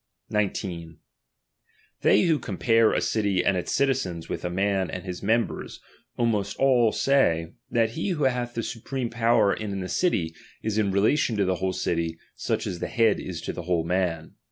19, They who compare a city and its citizens "iiaf ■with a man and his members, almost all say, that .wihT lie who hath the supreme power in the city is in prJ^j," relation to the whole city, such as the head is to '' l""^ the "whole man.